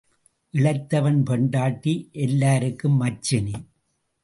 இளைத்தவன் பெண்டாட்டி எல்லாருக்கும் மச்சினி.